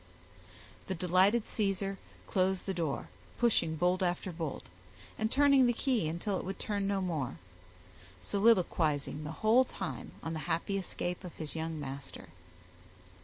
The delighted Caesar closed the door, pushing bolt after bolt, and turning the key until it would turn no more, soliloquizing the whole time on the happy escape of his young master.